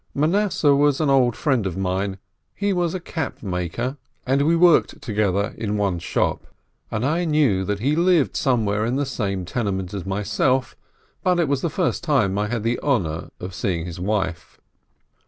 Manasseh was an old friend of mine, he was a capmaker, and we worked together in one shop. And I knew that he lived somewhere in the same tene ment as myself, but it was the first time I had the honor of seeing his wife.